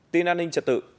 tin an ninh trật tự